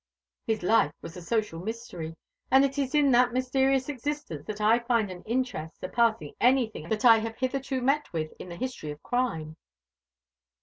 "His life was a social mystery; and it is in that mysterious existence that I find an interest surpassing anything I have hitherto met with in the history of crime."